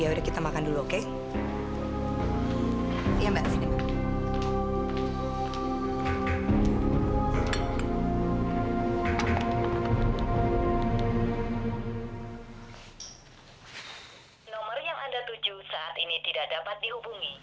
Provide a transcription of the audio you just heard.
aku bilang ragamu gak ada kasi yang magas itu dan aku kok tak berniat apa itu